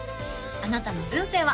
あなたの運勢は？